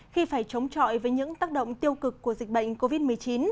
khi phải chống chọi với những tác động tiêu cực của dịch bệnh covid một mươi chín